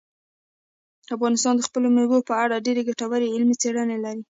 افغانستان د خپلو مېوو په اړه ډېرې ګټورې علمي څېړنې لري.